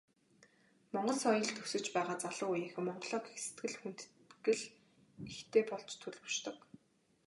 Монгол соёлд өсөж байгаа залуу үеийнхэн Монголоо гэх сэтгэл, хүндэтгэл ихтэй болж төлөвшдөг.